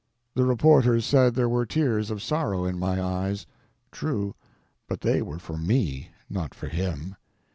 The reporters said there were tears of sorrow in my eyes. True—but they were for me, not for him.